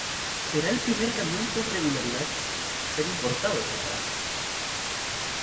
Será el primer camión con regularidad ser importados en Francia.